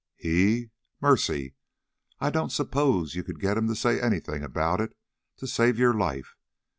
"He? Mercy! I don't suppose you could get him to say anything about it to save your life.